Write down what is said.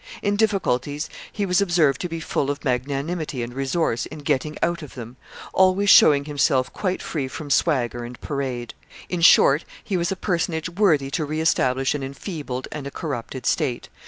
In difficulties, he was observed to be full of magnanimity and resource in getting out of them, always showing himself quite free from swagger and parade. In short, he was a personage worthy to re establish an enfeebled and a corrupted state.